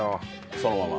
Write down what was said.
そのまま。